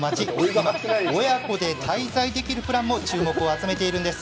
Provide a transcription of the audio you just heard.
今、親子で滞在できるプランも注目を集めているんです。